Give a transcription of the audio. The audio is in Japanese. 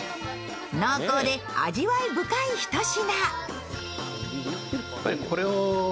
濃厚で、味わい深いひと品。